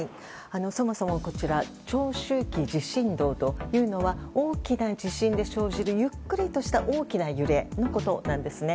そもそも長周期地震動というのは大きな地震で生じるゆっくりとした大きな揺れのことなんです。